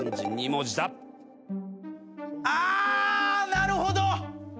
あなるほど！